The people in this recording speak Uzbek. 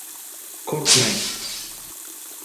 Qo’rqmang!